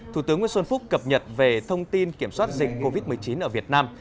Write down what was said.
thủ tướng nguyễn xuân phúc cập nhật về thông tin kiểm soát dịch covid một mươi chín ở việt nam